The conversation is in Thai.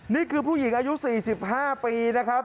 นี่คือผู้หญิงอายุ๔๕ปีนะครับ